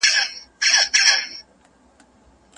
خپل سياسي افکار له نورو سره شريک کړئ.